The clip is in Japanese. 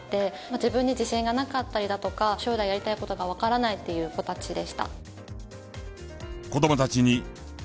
自分に自信がなかったりだとか将来やりたい事がわからないっていう子たちでした。